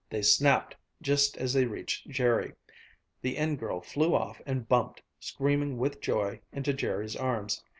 They "snapped" just as they reached Jerry. The end girl flew off and bumped, screaming with joy, into Jerry's arms.